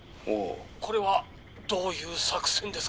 これはどういう作戦ですか？」。